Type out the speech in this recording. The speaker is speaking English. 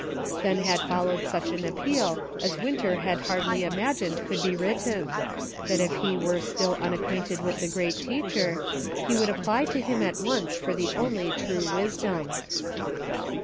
Then had followed such an appeal as Winter had hardly imagined could be written : that if he were still unacquainted with the Great Teacher, he would apply to Him at once for the only true wisdom.